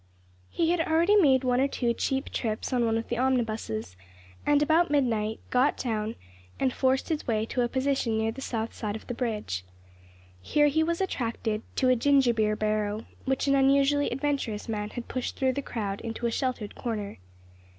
He had already made one or two cheap trips on one of the omnibuses, and, about midnight, got down and forced his way to a position near the south side of the bridge. Here he was attracted to a ginger beer barrow which an unusually adventurous man had pushed through the crowd into a sheltered corner.